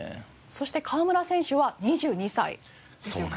そして河村選手は２２歳ですよね。